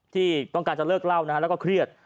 ที่ต้องการจะเลิกเล่านะฮะแล้วก็เครียด